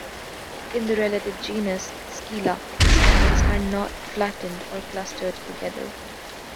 In the related genus "Scilla", the stamens are not flattened or clustered together.